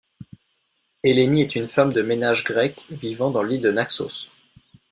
Eleni est une femme de ménage grecque vivant dans l'île de Naxos.